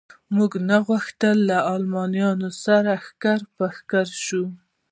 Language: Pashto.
موږ نه غوښتل له المانیانو سره ښکر په ښکر شو.